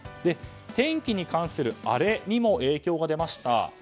天気に関してあれにも影響が出ました。